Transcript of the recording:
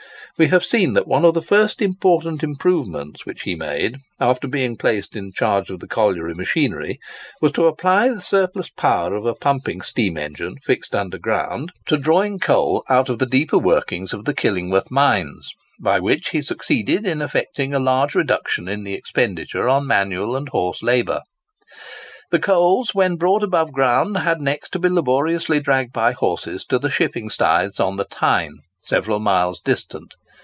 We have seen that one of the first important improvements which he made, after being placed in charge of the colliery machinery, was to apply the surplus power of a pumping steam engine, fixed underground, to drawing the coals out of the deeper workings of the Killingworth mines,—by which he succeeded in effecting a large reduction in the expenditure on manual and horse labour. The coals, when brought above ground, had next to be laboriously dragged by horses to the shipping staiths on the Tyne, several miles distant.